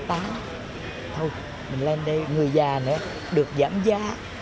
thôi mình lên đây người già nữa được giảm giá